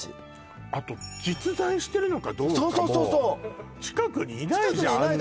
あと実在してるのかどうかも近くにいないじゃん